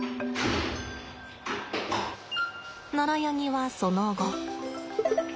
ナラヤニはその後。